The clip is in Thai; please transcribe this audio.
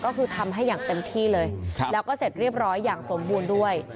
ก็คือทำให้อย่างเต็มที่เลยแล้วก็เสร็จเรียบร้อยอย่างสมบูรณ์ด้วย